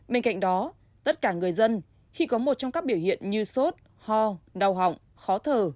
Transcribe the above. bên cạnh đó tất cả người dân khi có một trong các biểu hiện như sốt ho đau họng khó thở